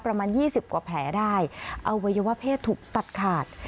ประมาณยี่สิบกว่าแผลได้อวัยวะเพศถูกตัดขาด